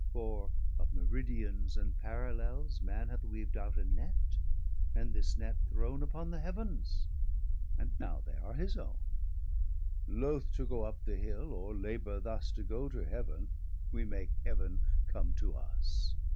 For of Meridians, and Parallels, Man hath weav'd out a net, and this net throwne Upon the Heavens, and now they are his owne. 280 Loth to goe up the hill, or labour thus To goe to heaven, we make heaven come to us.